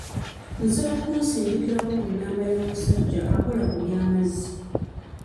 Nsaba kunsindikirako ku namba y'omusajja akola ku by'amazzi.